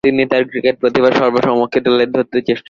তিনি তার ক্রিকেট প্রতিভা সর্বসমক্ষে তুলে ধরতে সচেষ্ট হন।